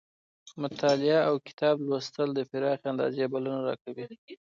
مطالعه اوکتاب لوستل د پراخې اندازې بلنه راکوي.